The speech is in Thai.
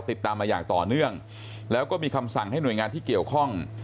ติดตามมาอย่างต่อเนื่องแล้วก็มีคำสั่งให้หน่วยงานที่เกี่ยวข้อง